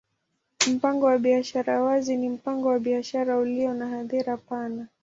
Mpango wa biashara wazi ni mpango wa biashara ulio na hadhira pana.